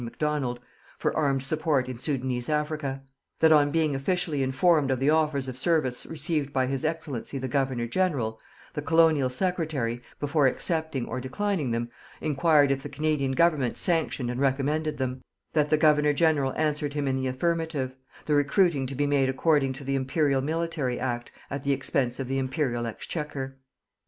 Macdonald, for armed support in Soudanese Africa; that, on being officially informed of the offers of service received by His Excellency the Governor General, the Colonial Secretary, before accepting or declining them, enquired if the Canadian Government sanctioned and recommended them; that the Governor General answered him in the affirmative, the recruiting to be made according to the Imperial Military Act at the expense of the Imperial exchequer.